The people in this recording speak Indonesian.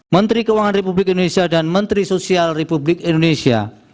menteri keuangan republik indonesia dan menteri sosial republik indonesia